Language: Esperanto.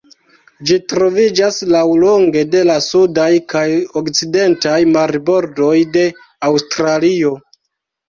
Ĝi troviĝas laŭlonge de la sudaj kaj okcidentaj marbordoj de Aŭstralio.